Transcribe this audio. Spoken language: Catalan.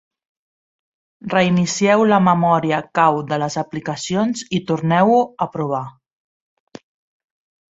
Reinicieu la memòria cau de les aplicacions i torneu-ho a provar.